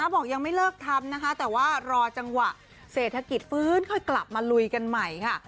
บอกยังไม่เลิกทำนะคะแต่ว่ารอจังหวะเศรษฐกิจฟื้นค่อยกลับมาลุยกันใหม่ค่ะ